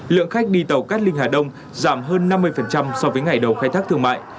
lượng khách đi tàu cát linh hà đông giảm hơn năm mươi so với ngày đầu khai thác thương mại